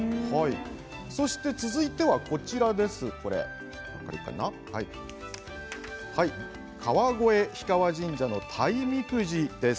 そして続いては川越氷川神社の鯛みくじです。